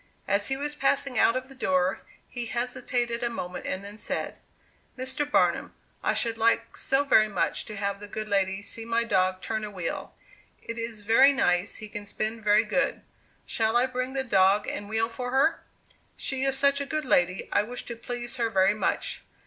As he was passing out of the door, he hesitated a moment, and then said, "Mr. Barnum, I should like so much to have the good lady see my dog turn a wheel; it is very nice; he can spin very good. Shall I bring the dog and wheel for her? She is such a good lady, I wish to please her very much."